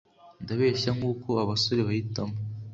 ndabeshya nkuko abasore bahitamo;